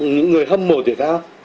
những người hâm mộ thì sao